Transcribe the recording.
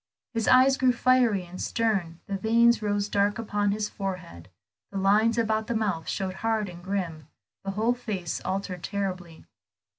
His eye grew fiery and stern, the veins rose dark upon his forehead, the lines about the mouth showed hard and grim, the whole face altered terribly.